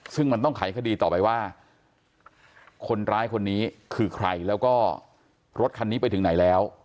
ซึ่งมันต้องไขคดีต่อไปว่าคนร้ายคนนี้คือใครแล้วก็รถคันนี้ไปถึงไหนแล้ว